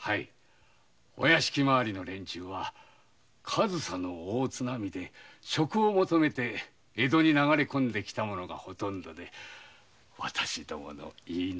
お屋敷回りの連中は上総の大津波で職を求めて江戸に流れこんできた者がほとんどで私どもの言いなりでございますよ。